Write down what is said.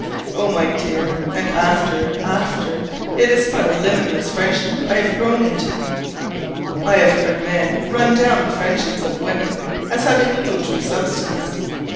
Oh, my dear, and after, after; it is but a limitless friendship I have grown into! I have heard men run down the friendships of women as having little true substance.